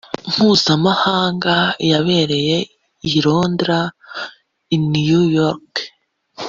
mpuzamahanga yabereye i londres n i new york